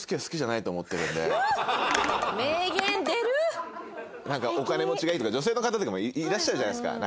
なんかお金持ちがいいとか女性の方とかもいらっしゃるじゃないですか。